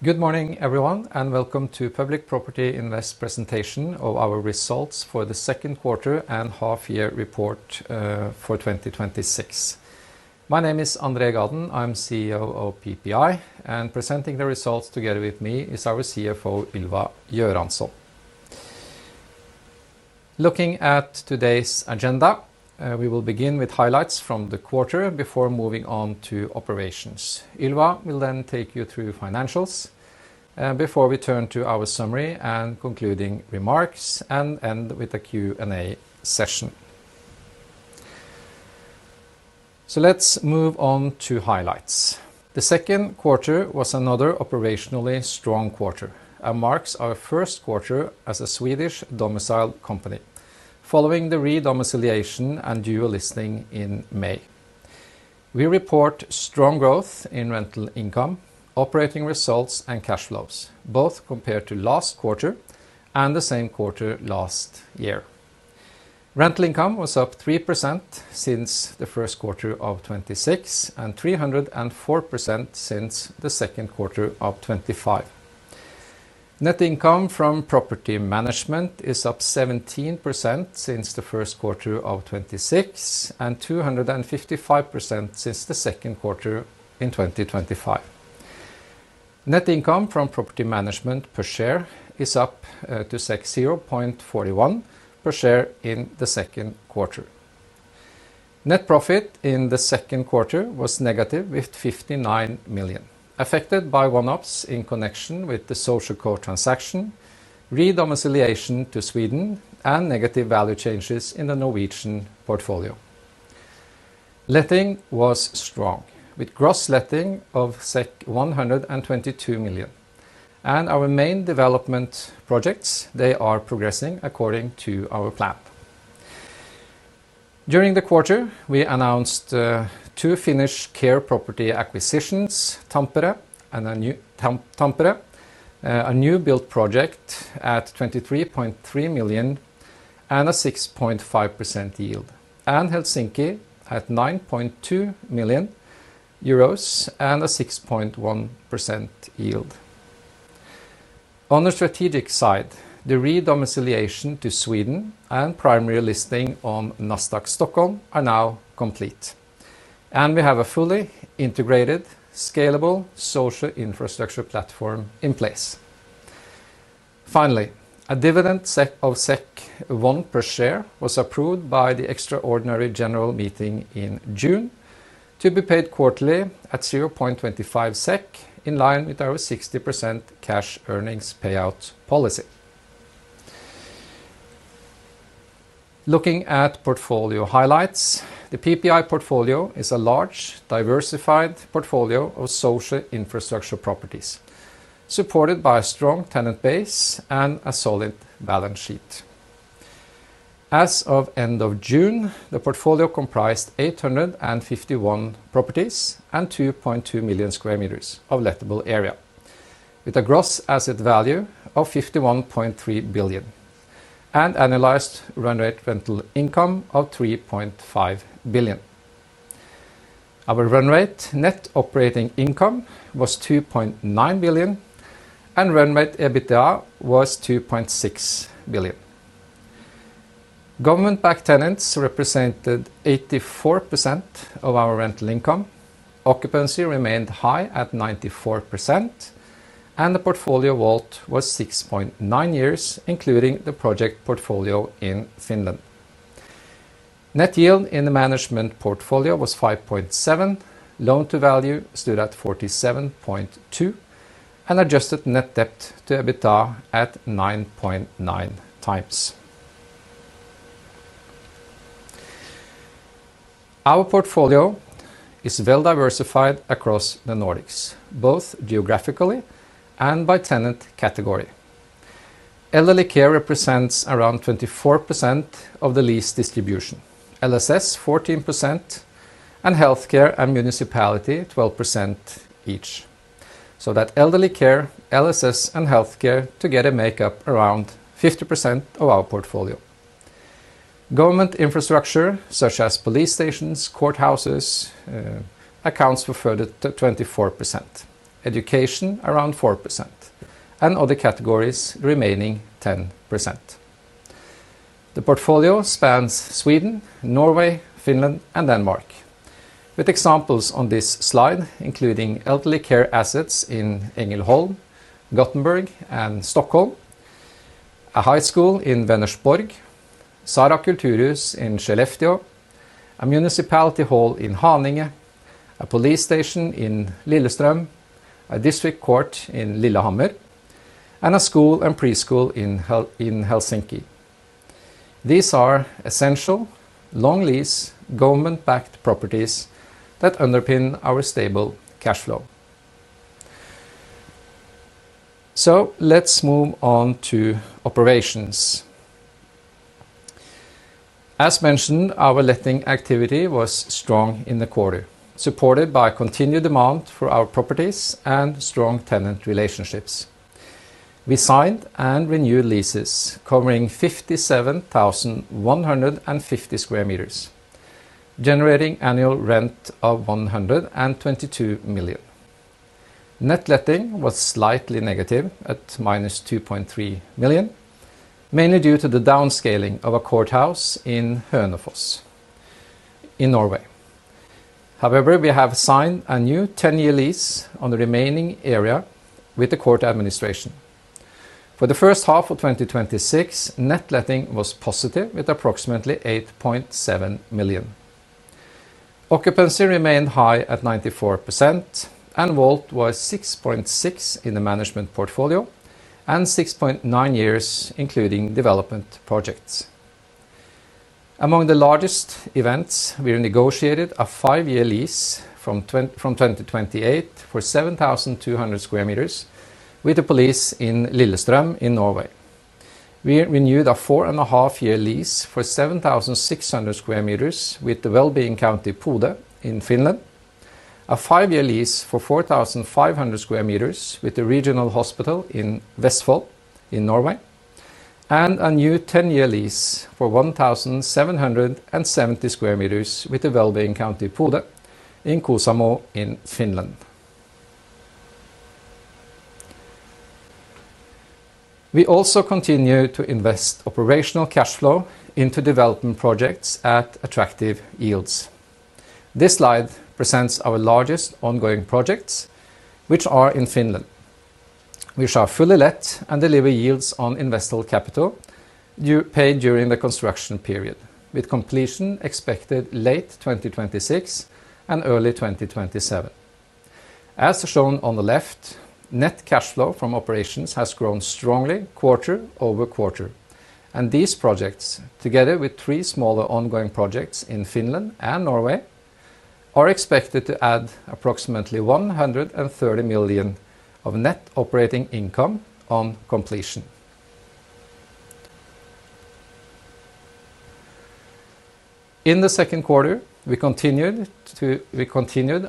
Good morning, everyone, and welcome to the Public Property Invest presentation of our results for the second quarter and half-year report for 2026. My name is André Gaden. I'm CEO of PPI, and presenting the results together with me is our CFO, Ylva Göransson. Looking at today's agenda, we will begin with highlights from the quarter before moving on to operations. Ylva will then take you through financials before we turn to our summary and concluding remarks and end with a Q&A session. Let's move on to highlights. The second quarter was another operationally strong quarter and marks our first quarter as a Swedish-domiciled company, following the re-domiciliation and dual listing in May. We report strong growth in rental income, operating results, and cash flows, both compared to last quarter and the same quarter last year. Rental income was up 3% since the first quarter of 2026 and 304% since the second quarter of 2025. Net income from property management is up 17% since the first quarter of 2026 and 255% since the second quarter in 2025. Net income from property management per share is up to 0.41 per share in the second quarter. Net profit in the second quarter was negative with 59 million, affected by one-offs in connection with the SocialCo transaction, re-domiciliation to Sweden, and negative value changes in the Norwegian portfolio. Letting was strong, with gross letting of 122 million. Our main development projects are progressing according to our plan. During the quarter, we announced two finished care property acquisitions: Tampere, a new build project at 23.3 million and a 6.5% yield. Helsinki at 9.2 million euros and a 6.1% yield. On the strategic side, the re-domiciliation to Sweden and primary listing on Nasdaq Stockholm are now complete, and we have a fully integrated, scalable social infrastructure platform in place. Finally, a dividend of 1 per share was approved by the extraordinary general meeting in June to be paid quarterly at 0.25 SEK, in line with our 60% cash earnings payout policy. Looking at portfolio highlights, the PPI portfolio is a large, diversified portfolio of social infrastructure properties, supported by a strong tenant base and a solid balance sheet. As of the end of June, the portfolio comprised 851 properties and 2.2 million square meters of lettable area, with a gross asset value of 51.3 billion and an analyzed run rate rental income of 3.5 billion. Our run rate net operating income was 2.9 billion, and run rate EBITDA was 2.6 billion. Government-backed tenants represented 84% of our rental income. Occupancy remained high at 94%, and the portfolio WAULT was 6.9 years, including the project portfolio in Finland. Net yield in the management portfolio was 5.7%. Loan to value stood at 47.2%, and adjusted net debt to EBITDA at 9.9x. Our portfolio is well diversified across the Nordics, both geographically and by tenant category. Elderly care represents around 24% of the lease distribution, LSS 14%, and healthcare and municipality 12% each. That elderly care, LSS, and healthcare together make up around 50% of our portfolio. Government infrastructure, such as police stations and courthouses, accounts for further than 24%; education, around 4%; and other categories, the remaining 10%. The portfolio spans Sweden, Norway, Finland, and Denmark, with examples on this slide including elderly care assets in Ängelholm, Göteborg, and Stockholm, a high school in Vänersborg, Sara Kulturhus in Skellefteå, a municipality hall in Haninge, a police station in Lillestrøm, a district court in Lillehammer, and a school and preschool in Helsinki. These are essential, long-lease, government-backed properties that underpin our stable cash flow. Let's move on to operations. As mentioned, our letting activity was strong in the quarter, supported by continued demand for our properties and strong tenant relationships. We signed and renewed leases covering 57,150sq m, generating annual rent of 122 million. Net letting was slightly negative at -2.3 million, mainly due to the downscaling of a courthouse in Hønefoss, Norway. However, we have signed a new 10-year lease on the remaining area with the court administration. For the first half of 2026, net letting was positive with approximately 8.7 million. Occupancy remained high at 94%, and WAULT was 6.6 years in the management portfolio and 6.9 years including development projects. Among the largest events, we negotiated a five-year lease from 2028 for 7,200sq m with the police in Lillestrøm in Norway. We renewed a four-and-a-half-year lease for 7,600sq m with the wellbeing county Pohde in Finland. A five-year lease for 4,500sq m with the Regional Hospital in Vestfold in Norway and a new 10-year lease for 1,770sq m with the wellbeing county Pohde in Kuusamo in Finland. We also continue to invest operational cash flow into development projects at attractive yields. This slide presents our largest ongoing projects, which are in Finland, which are fully let and deliver yields on invested capital paid during the construction period, with completion expected in late 2026 and early 2027. As shown on the left, net cash flow from operations has grown strongly quarter over quarter, and these projects, together with three smaller ongoing projects in Finland and Norway, are expected to add approximately 130 million of net operating income on completion. In the second quarter, we continued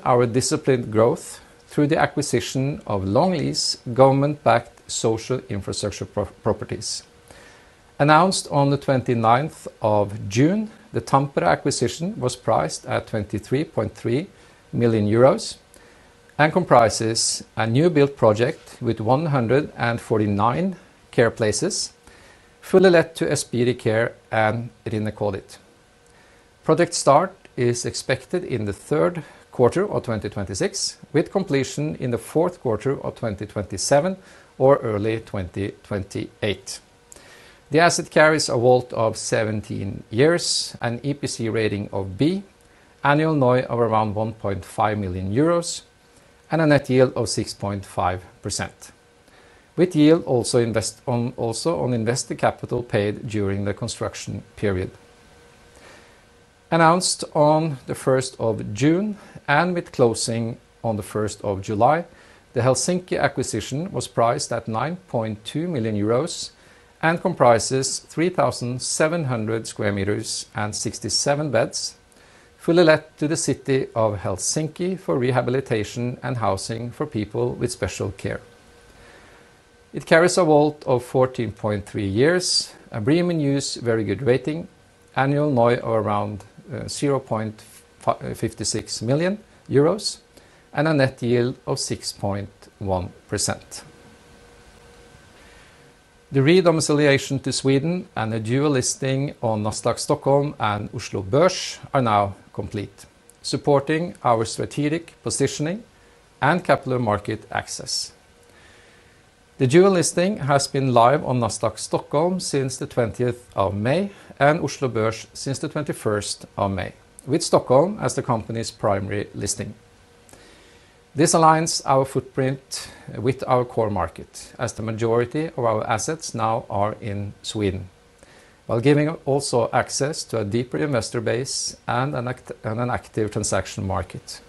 our disciplined growth through the acquisition of long-lease, government-backed social infrastructure properties. Announced on the 29th of June, the Tampere acquisition was priced at 23.3 million euros and comprises a new build project with 149 care places, fully let to Speedy Care and Rinnekodit. Project start is expected in the third quarter of 2026, with completion in the fourth quarter of 2027 or early 2028. The asset carries a WAULT of 17 years, an EPC rating of B, annual NOI of around 1.5 million euros, and a net yield of 6.5%, with yield also on invested capital paid during the construction period. Announced on the 1st of June and with closing on the 1st of July, the Helsinki acquisition was priced at 9.2 million euros and comprises 3,700sq m and 67 beds, fully let to the city of Helsinki for rehabilitation and housing for people with special care. It carries a WAULT of 14.3 years, a BREEAM In-Use Very Good rating, an annual NOI of around 0.56 million euros, and a net yield of 6.1%. The redomiciliation to Sweden and the dual listing on Nasdaq Stockholm and Oslo Børs are now complete, supporting our strategic positioning and capital market access. The dual listing has been live on Nasdaq Stockholm since the 20th of May and Oslo Børs since the 21st of May, with Stockholm as the company's primary listing. This aligns our footprint with our core market, as the majority of our assets now are in Sweden, while also giving access to a deeper investor base and an active transaction market.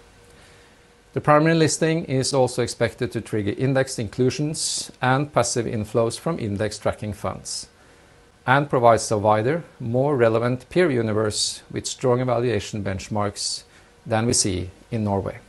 The primary listing is also expected to trigger index inclusions and passive inflows from index-tracking funds and provide a wider, more relevant peer universe with stronger evaluation benchmarks than we see in Norway.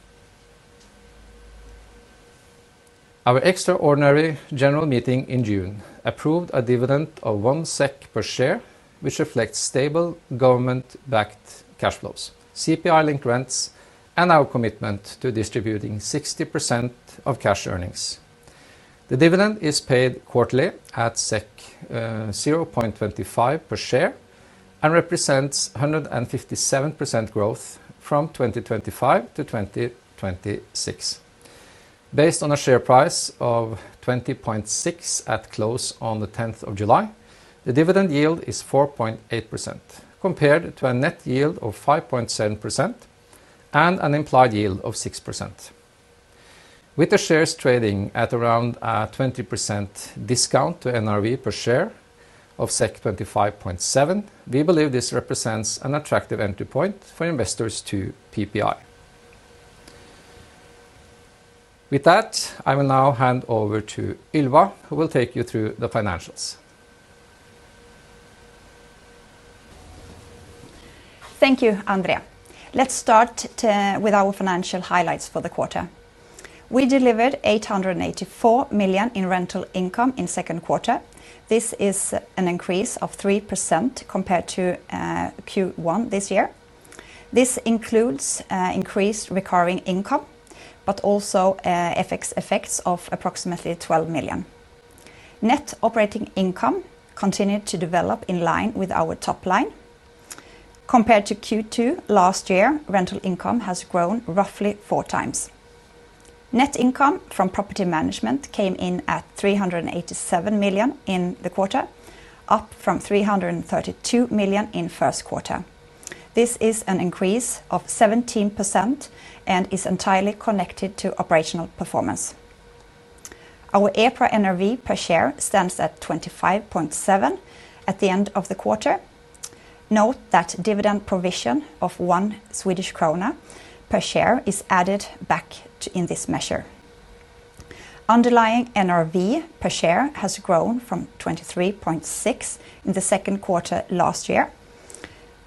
Our extraordinary general meeting in June approved a dividend of 1 SEK per share, which reflects stable government-backed cash flows, CPI-linked rents, and our commitment to distributing 60% of cash earnings. The dividend is paid quarterly at 0.25 per share and represents 157% growth from 2025 to 2026. Based on a share price of 20.6 at close on the 10th of July, the dividend yield is 4.8%, compared to a net yield of 5.7% and an implied yield of 6%. With the shares trading at around a 20% discount to NRV per share of 25.7, we believe this represents an attractive entry point for investors to PPI. With that, I will now hand over to Ylva, who will take you through the financials. Thank you, André. Let's start with our financial highlights for the quarter. We delivered 884 million in rental income in the second quarter. This is an increase of 3% compared to Q1 this year. This includes increased recurring income but also FX effects of approximately 12 million. Net operating income continued to develop in line with our top line. Compared to Q2 last year, rental income has grown roughly four times. Net income from property management came in at 387 million in the quarter, up from 332 million in the first quarter. This is an increase of 17% and is entirely connected to operational performance. Our EPRA NRV per share stands at 25.7 at the end of the quarter. Note that dividend provision of 1 Swedish krona per share is added back in this measure. Underlying NRV per share has grown from 23.6 in the second quarter last year.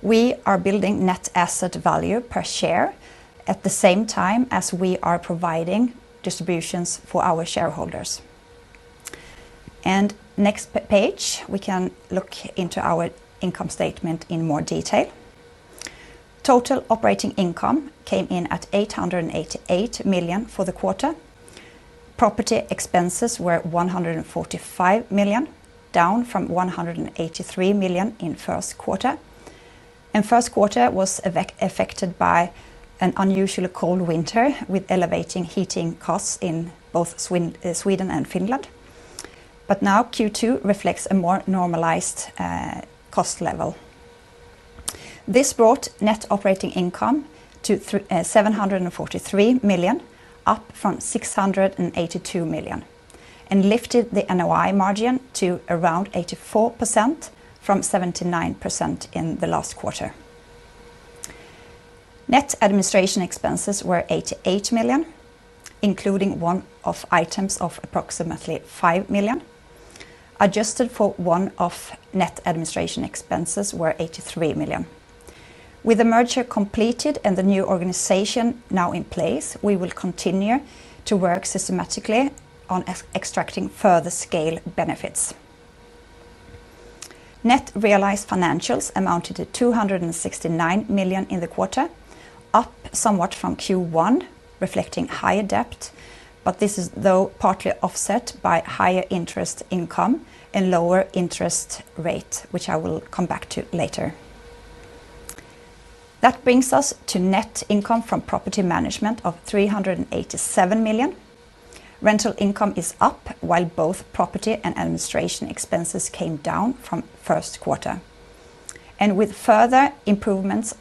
We are building net asset value per share at the same time as we are providing distributions to our shareholders. And on the next page, we can look into our income statement in more detail. Total operating income came in at 888 million for the quarter. Property expenses were 145 million, down from 183 million in the first quarter, and the first quarter was affected by an unusually cold winter with elevating heating costs in both Sweden and Finland. But now Q2 reflects a more normalized cost level. This brought net operating income to 743 million, up from 682 million, and lifted the NOI margin to around 84% from 79% in the last quarter. Net administration expenses were 88 million, including one-off items of approximately 5 million. Adjusted for one-off net administration expenses were 83 million. With the merger completed and the new organization now in place, we will continue to work systematically on extracting further scale benefits. Net realized financials amounted to 269 million in the quarter, up somewhat from Q1, reflecting higher debt. This is, though, partly offset by higher interest income and lower interest rate, which I will come back to later. That brings us to net income from property management of 387 million. Rental income is up, while both property and administration expenses came down from the first quarter. With further improvements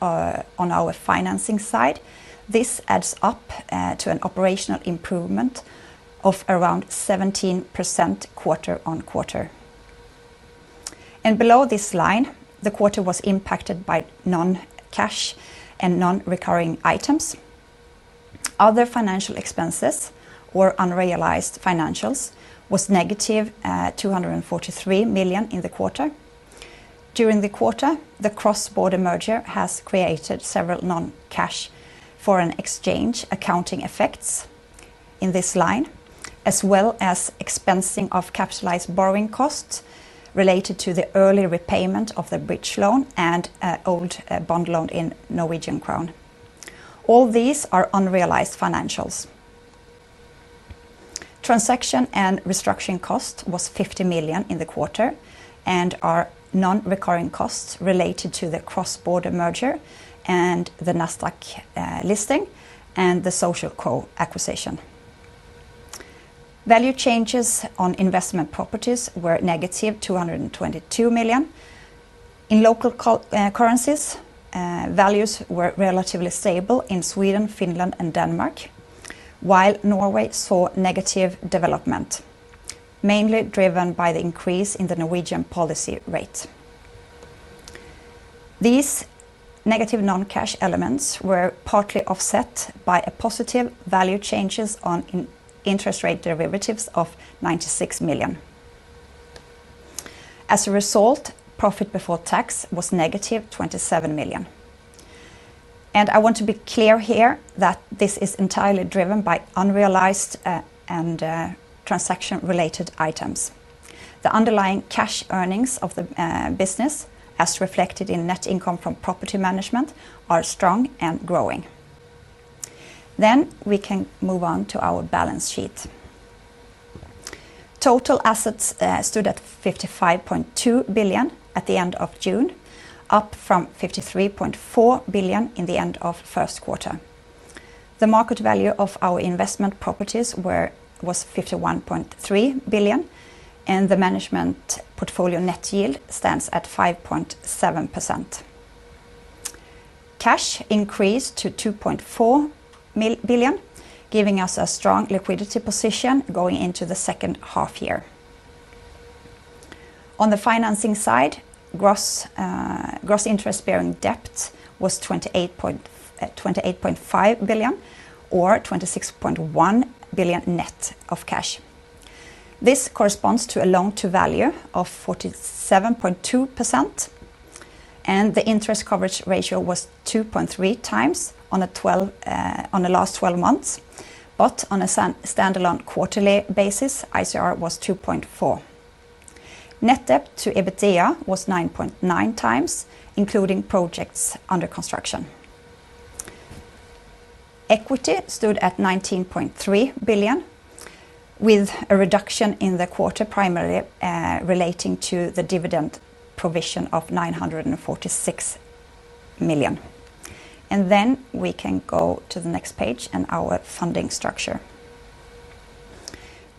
on our financing side, this adds up to an operational improvement of around 17% quarter-on-quarter. Below this line, the quarter was impacted by non-cash and non-recurring items. Other financial expenses or unrealized financials were negative 243 million in the quarter. During the quarter, the cross-border merger has created several non-cash foreign exchange accounting effects in this line, as well as the expensing of capitalized borrowing costs related to the early repayment of the bridge loan and old bond loan in NOK. All these are unrealized financials. Transaction and restructuring costs were 50 million in the quarter and are non-recurring costs related to the cross-border merger and the Nasdaq listing and the SocialCo acquisition. Value changes on investment properties were negative 222 million. In local currencies, values were relatively stable in Sweden, Finland, and Denmark, while Norway saw negative development, mainly driven by the increase in the Norwegian policy rate. These negative non-cash elements were partly offset by a positive value change on interest rate derivatives of 96 million. As a result, profit before tax was negative 27 million. I want to be clear here that this is entirely driven by unrealized and transaction-related items. The underlying cash earnings of the business, as reflected in net income from property management, are strong and growing. We can move on to our balance sheet. Total assets stood at 55.2 billion at the end of June, up from 53.4 billion at the end of the first quarter. The market value of our investment properties was 51.3 billion, and the management portfolio net yield stands at 5.7%. Cash increased to 2.4 billion, giving us a strong liquidity position going into the second half of the year. On the financing side, gross interest-bearing debt was 28.5 billion or 26.1 billion net of cash. This corresponds to a loan-to-value of 47.2%, and the interest coverage ratio was 2.3 times in the last 12 months. On a standalone quarterly basis, ICR was 2.4. Net Debt to EBITDA was 9.9x, including projects under construction. Equity stood at 19.3 billion, with a reduction in the quarter primarily relating to the dividend provision of 946 million. We can go to the next page and our funding structure.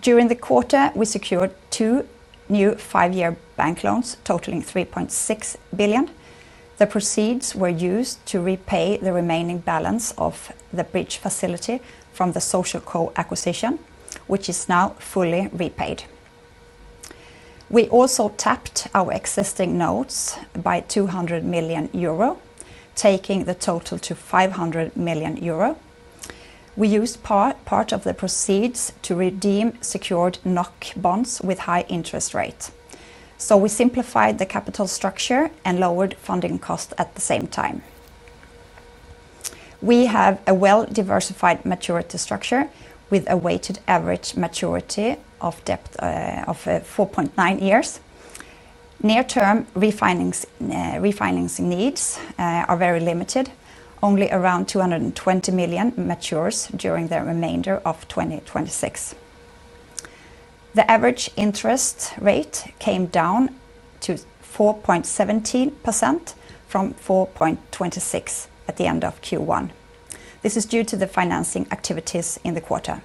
During the quarter, we secured two new five-year bank loans totaling 3.6 billion. The proceeds were used to repay the remaining balance of the bridge facility from the SocialCo acquisition, which is now fully repaid. We also tapped our existing notes by 200 million euro, taking the total to 500 million euro. We used part of the proceeds to redeem secured NOK bonds with high interest rates. We simplified the capital structure and lowered funding costs at the same time. We have a well-diversified maturity structure with a weighted average maturity of 4.9 years. Near-term refinancing needs are very limited. Only around 220 million matures during the remainder of 2026. The average interest rate came down to 4.17% from 4.26% at the end of Q1. This is due to the financing activities in the quarter.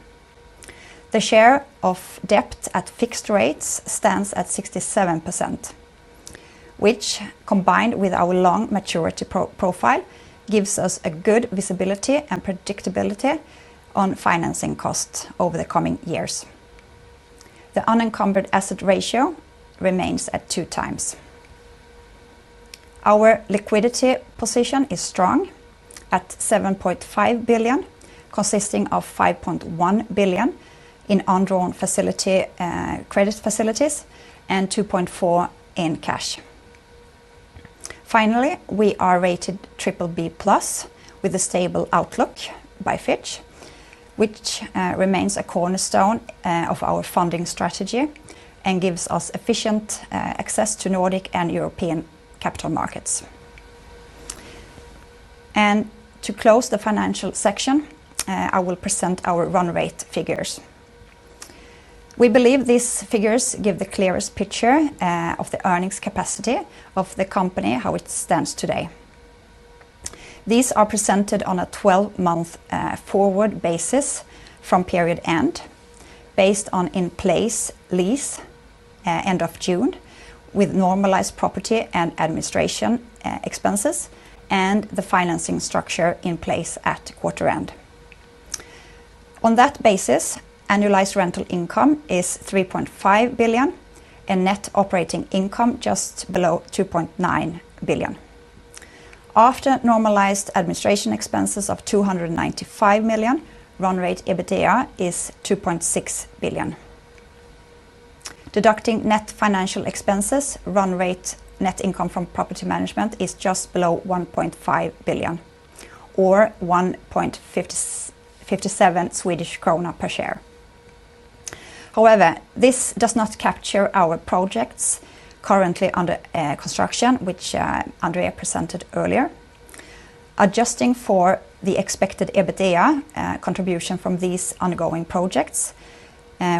The share of debt at fixed rates stands at 67%, which, combined with our long maturity profile, gives us good visibility and predictability on financing costs over the coming years. The unencumbered asset ratio remains at two times. Our liquidity position is strong at 7.5 billion, consisting of 5.1 billion in undrawn credit facilities and 2.4 billion in cash. Finally, we are rated BBB+ with a stable outlook by Fitch, which remains a cornerstone of our funding strategy and gives us efficient access to Nordic and European capital markets. To close the financial section, I will present our Run Rate figures. We believe these figures give the clearest picture of the earnings capacity of the company and how it stands today. These are presented on a 12-month forward basis from period end, based on the in-place lease ending in June, with normalized property and administration expenses and the financing structure in place at quarter end. On that basis, annualized rental income is 3.5 billion and net operating income just below 2.9 billion. After normalized administration expenses of 295 million, run rate EBITDA is 2.6 billion. Deducting net financial expenses, Run Rate's net income from property management is just below 1.5 billion, or 1.57 Swedish krona per share. However, this does not capture our projects currently under construction, which André presented earlier. Adjusting for the expected EBITDA contribution from these ongoing projects,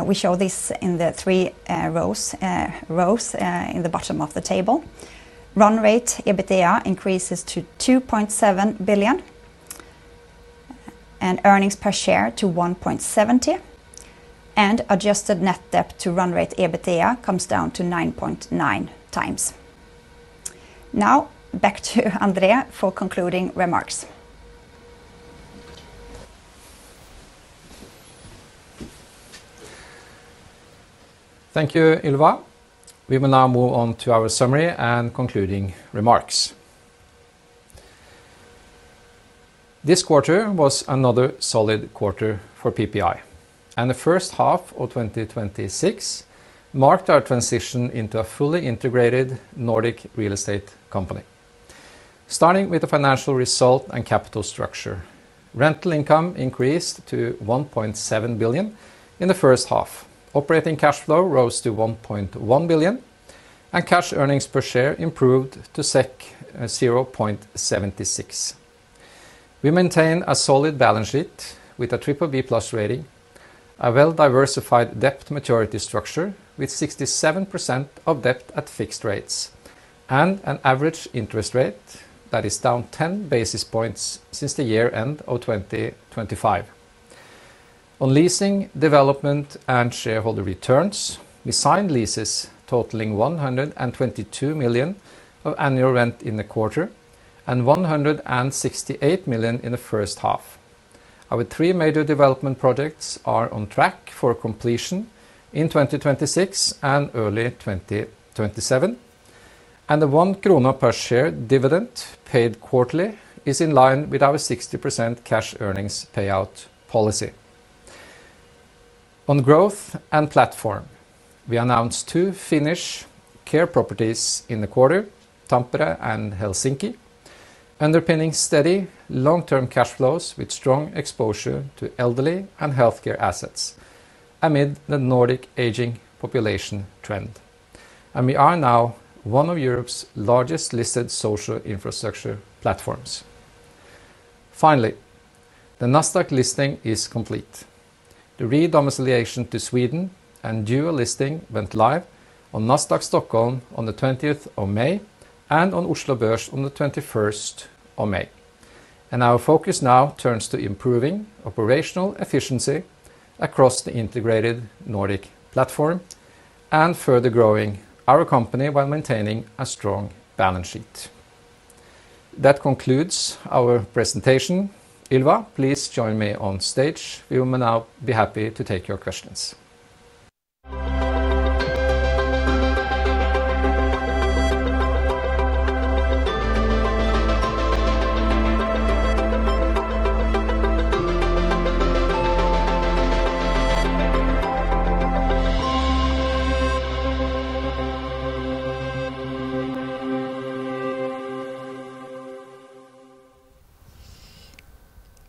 we show this in the three rows at the bottom of the table. Run rate EBITDA increases to 2.7 billion and earnings per share to 1.70; adjusted net debt to run rate EBITDA comes down to 9.9x. Now back to André for concluding remarks. Thank you, Ylva. We will now move on to our summary and concluding remarks. This quarter was another solid quarter for PPI. The first half of 2026 marked our transition into a fully integrated Nordic real estate company. Starting with the financial result and capital structure, rental income increased to 1.7 billion in the first half. Operating cash flow rose to 1.1 billion; cash earnings per share improved to 0.76. We maintain a solid balance sheet with a BBB+ rating, a well-diversified debt maturity structure with 67% of debt at fixed rates, and an average interest rate that is down 10 basis points since the year-end of 2025. On leasing, development, and shareholder returns, we signed leases totaling 122 million of annual rent in the quarter and 168 million in the first half. Our three major development projects are on track for completion in 2026 and early 2027. The 1 krona per share dividend paid quarterly is in line with our 60% cash earnings payout policy. On growth and platform, we announced two Finnish care properties in the quarter, Tampere and Helsinki, underpinning steady long-term cash flows with strong exposure to elderly and healthcare assets, amid the Nordic aging population trend. We are now one of Europe's largest listed social infrastructure platforms. Finally, the Nasdaq listing is complete. The re-domiciliation to Sweden and dual listing went live on Nasdaq Stockholm on the 20th of May and on Oslo Børs on the 21st of May. Our focus now turns to improving operational efficiency across the integrated Nordic platform and further growing our company while maintaining a strong balance sheet. That concludes our presentation. Ylva, please join me on stage. We will now be happy to take your questions.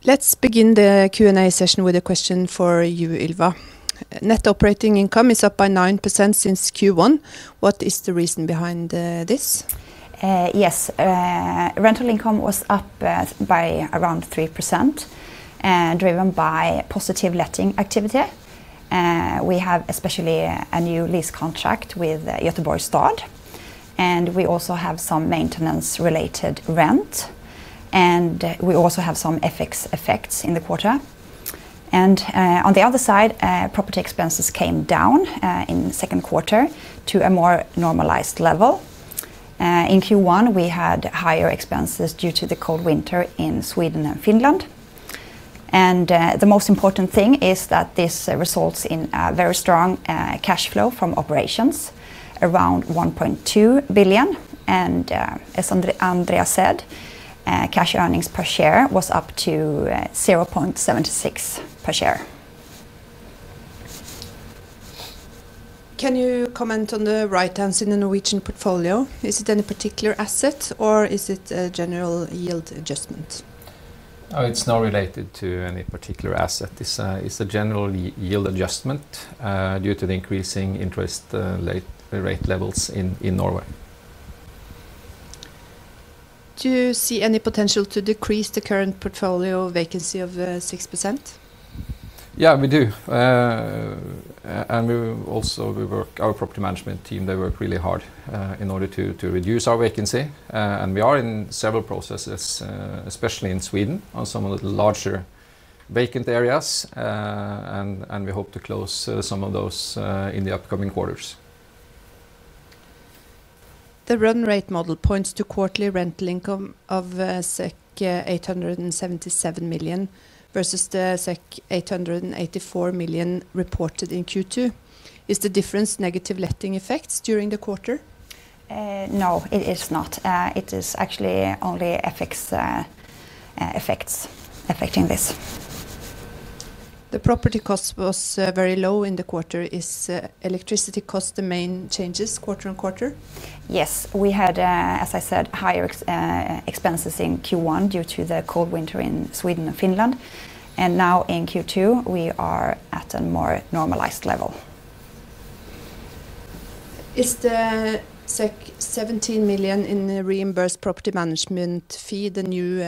Let's begin the Q&A session with a question for you, Ylva. Net operating income is up by 9% since Q1. What is the reason behind this? Yes. Rental income was up by around 3%, driven by positive letting activity. We have especially a new lease contract with Göteborgs Stad; we also have some maintenance-related rent, and we also have some FX effects in the quarter. On the other side, property expenses came down in the second quarter to a more normalized level. In Q1, we had higher expenses due to the cold winter in Sweden and Finland. The most important thing is that this results in a very strong cash flow from operations, around 1.2 billion. As André said, cash earnings per share was up to 0.76 per share. Can you comment on the write-downs in the Norwegian portfolio? Is it any particular asset, or is it a general yield adjustment? It's not related to any particular asset. It's a general yield adjustment due to the increasing interest rate levels in Norway. Do you see any potential to decrease the current portfolio vacancy of 6%? Yeah, we do. Also, our property management team works really hard in order to reduce our vacancy. We are in several processes, especially in Sweden, on some of the larger vacant areas. We hope to close some of those in the upcoming quarters. The run-rate model points to quarterly rental income of 877 million versus the 884 million reported in Q2. Is the difference negative letting effects during the quarter? No, it is not. It is actually only FX effects affecting this. The property cost was very low in the quarter. Is electricity cost the main change quarter-on-quarter? Yes. We had, as I said, higher expenses in Q1 due to the cold winter in Sweden and Finland. Now in Q2, we are at a more normalized level. Is the 17 million in reimbursed property management fees the new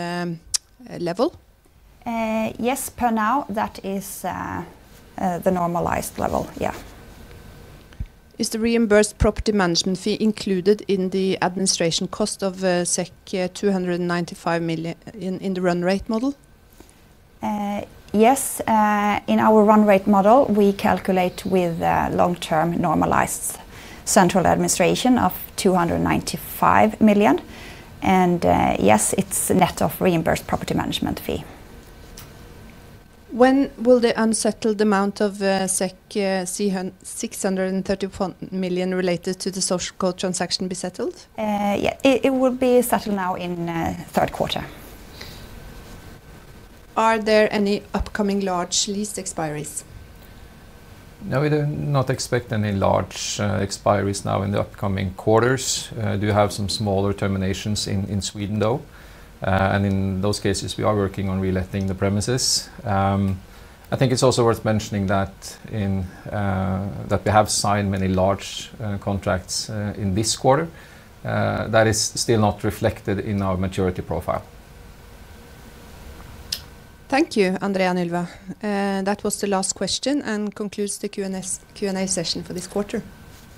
level? Yes. For now, that is the normalized level. Yeah. Is the reimbursed property management fee included in the administration cost of 295 million in the run-rate model? Yes. In our run-rate model, we calculate with long-term normalized central administration of 295 million. Yes, it's net of the reimbursed property management fee. When will the unsettled amount of 634 million related to the SocialCo transaction be settled? It will be settled now in the third quarter. Are there any upcoming large lease expiries? No, we do not expect any large expiries now in the upcoming quarters. We do have some smaller terminations in Sweden, though. In those cases, we are working on reletting the premises. I think it's also worth mentioning that we have signed many large contracts in this quarter. That is still not reflected in our maturity profile. Thank you, André and Ylva. That was the last question and concludes the Q&A session for this quarter.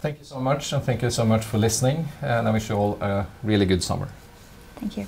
Thank you so much, and thank you so much for listening. I wish you all a really good summer. Thank you.